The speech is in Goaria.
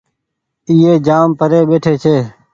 ايئي جآم پري ٻيٽي ڇي